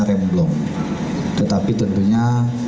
remblok tetapi tentunya